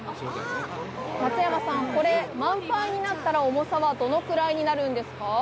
松山さん、これ満杯になったら重さはどのくらいになるんですか。